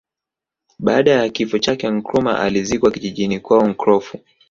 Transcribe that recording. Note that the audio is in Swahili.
Baada ya kifo chake Nkrumah alizikwa kijijini kwao Nkrofu